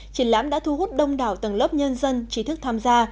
triển lãm đã thu hút đông đảo tầng lớp nhân dân trí thức tham gia